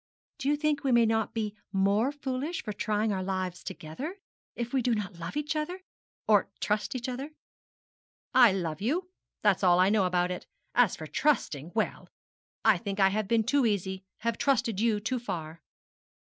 'Do you think we may not be more foolish for trying our lives together if we do not love each other or trust each other.' 'I love you that's all I know about it. As for trusting well, I think I have been too easy, have trusted you too far.'